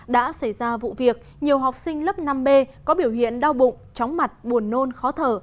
đã xảy ra vụ việc nhiều học sinh lớp năm b có biểu hiện đau bụng chóng mặt buồn nôn khó thở